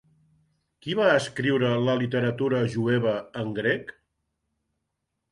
Qui va escriure la literatura jueva en grec?